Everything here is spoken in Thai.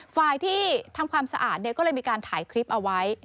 ฝ่ายที่ทำความสะอาดก็เลยมีการถ่ายคลิปเอาไว้